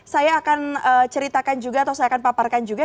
saya akan ceritakan juga atau saya akan paparkan juga